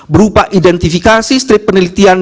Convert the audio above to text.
berupa identifikasi strip penelitian